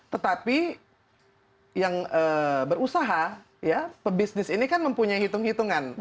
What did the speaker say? tetapi yang berusaha ya pebisnis ini kan mempunyai hitung hitungan